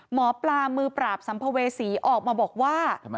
หมอปลามือปราบสัมภเวษีออกมาบอกว่า